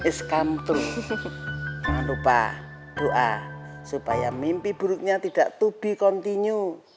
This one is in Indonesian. is come true jangan lupa doa supaya mimpi buruknya tidak tubi kontinyu